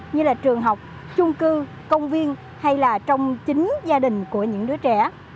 như là trường học chung cư công viên hay là trong chính gia đình của những đứa trẻ